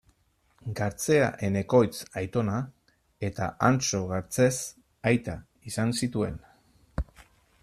Gartzea Enekoitz aitona eta Antso Gartzez aita izan zituen.